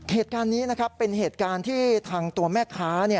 เหตุการณ์นี้นะครับเป็นเหตุการณ์ที่ทางตัวแม่ค้า